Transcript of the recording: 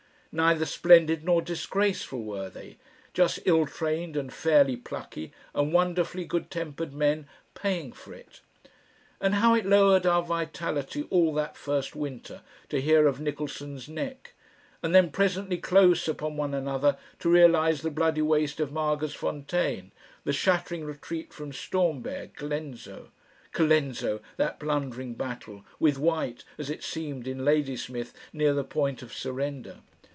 Neither splendid nor disgraceful were they, just ill trained and fairly plucky and wonderfully good tempered men paying for it. And how it lowered our vitality all that first winter to hear of Nicholson's Nek, and then presently close upon one another, to realise the bloody waste of Magersfontein, the shattering retreat from Stormberg, Colenso Colenso, that blundering battle, with White, as it seemed, in Ladysmith near the point of surrender!